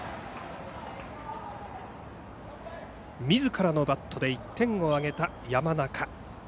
みずからのバットで１点を挙げた山中。